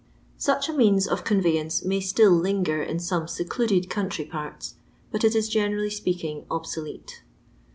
Such a means of convey ance may still linger in some secluded country parts, but it is generally speaking obsolete.